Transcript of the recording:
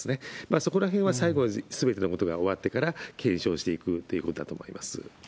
そこらへんは最後、すべてのことが終わってから検証していくということだと思います。